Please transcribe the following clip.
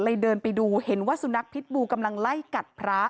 เดินไปดูเห็นว่าสุนัขพิษบูกำลังไล่กัดพระ